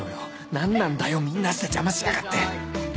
何なんだよみんなして邪魔しやがって！